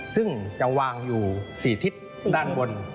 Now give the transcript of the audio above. ซึ่งจะวางอยู่๔ทิศด้านบน